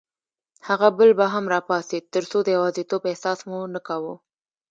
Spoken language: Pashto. هغه بل به هم راپاڅېد، ترڅو د یوازیتوب احساس مو نه کاوه.